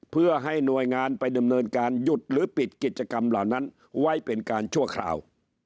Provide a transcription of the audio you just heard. เพื่อให้หน่วยงานไปดำเนินการหยุดหรือปิดกิจกรรมเหล่านั้นไว้เป็นการชั่วคราว